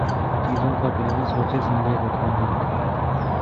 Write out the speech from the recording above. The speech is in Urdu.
چیزوں کا بنا سوچے سمجھے کرتا ہوں